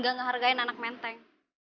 gagal ngehargain anak menteng